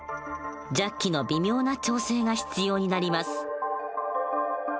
ジャッキの微妙な調整が必要になります。